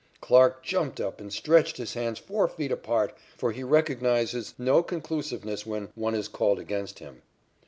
Clarke jumped up and stretched his hands four feet apart, for he recognizes no conclusiveness when "one is called against him."